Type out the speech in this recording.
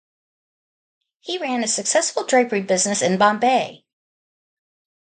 He ran a successful drapery business in Bombay.